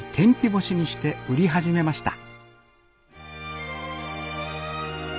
干しにして売り始めました